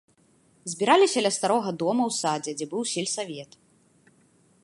Збіраліся ля старога дома ў садзе, дзе быў сельсавет.